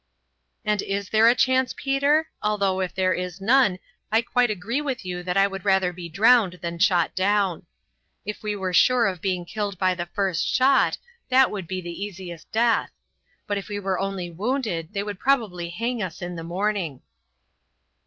"And is there a chance, Peter? Although, if there is none, I quite agree with you that I would rather be drowned than shot down. If one were sure of being killed by the first shot that would be the easiest death; but if we were only wounded they would probably hang us in the morning."